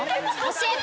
教えて。